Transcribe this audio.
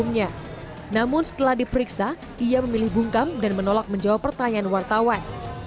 namun setelah diperiksa ia memilih bungkam dan menolak menjawab pertanyaan wartawan